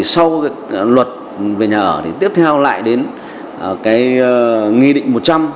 sau luật về nhà ở thì tiếp theo lại đến cái nghi định một trăm linh